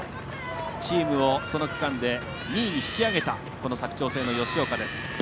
チームをその区間で２位に引き上げたこの佐久長聖の吉岡です。